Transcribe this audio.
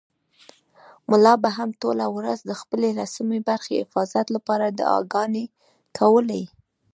ملا به هم ټوله ورځ د خپلې لسمې برخې حفاظت لپاره دعاګانې کولې.